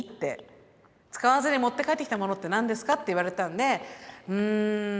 使わずに持って帰ってきたものって何ですかって言われたんでん